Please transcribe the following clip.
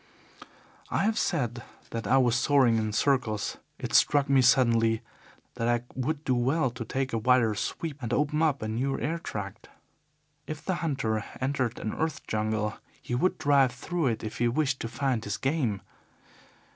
"I have said that I was soaring in circles. It struck me suddenly that I would do well to take a wider sweep and open up a new airtract. If the hunter entered an earth jungle he would drive through it if he wished to find his game.